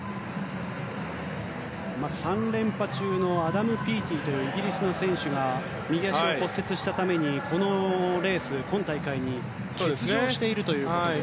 ３連覇中のアダム・ピーティというイギリスの選手が右足を骨折したために今大会欠場しているということで。